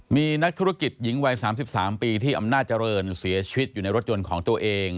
มีนักธุรกิจหญิงวัย๓๓ปีที่อำนาจเจริญเสียชีวิตอยู่ในรถยนต์ของตัวเอง